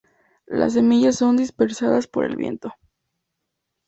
Las semillas son dispersadas por el viento.